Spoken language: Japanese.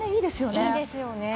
いいですよね。